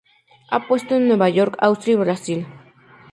Ha expuesto en Nueva York, Austria y Brasil.